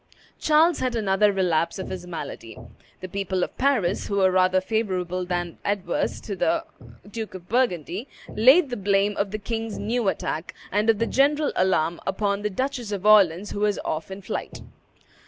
Charles had another relapse of his malady. The people of Paris, who were rather favorable than adverse to the Duke of Burgundy, laid the blame of the king's new attack, and of the general alarm, upon the Duchess of Orleans, who was off in flight.